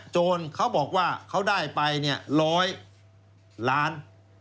โจรเขาบอกว่าเขาได้ไปเนี่ย๑๐๐ล้าน